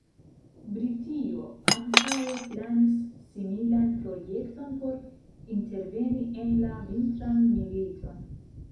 Britio antaŭe planis similan projekton por interveni en la Vintran Militon.